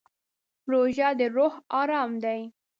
روژه د روح ارام دی.